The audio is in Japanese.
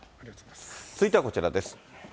続いてはこちらです。